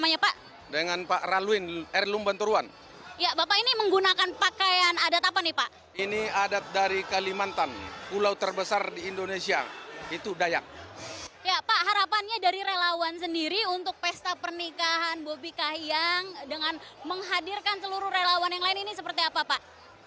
ya pak harapannya dari relawan sendiri untuk pesta pernikahan bobi kahiyang dengan menghadirkan seluruh relawan yang lain ini seperti apa pak